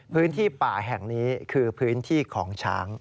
พื้นที่ป่าแห่งนี้คือพื้นที่ของช้าง